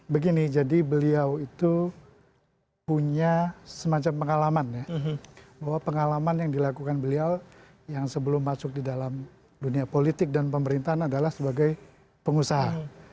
begini jadi beliau itu punya semacam pengalaman ya bahwa pengalaman yang dilakukan beliau yang sebelum masuk di dalam dunia politik dan pemerintahan adalah sebagai pengusaha